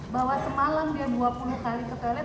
bahwa semalam dia dua puluh kali ke toilet